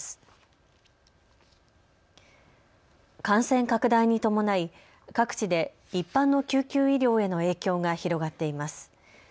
感染拡大に伴い各地で一般の救急医療への影響が広がっています。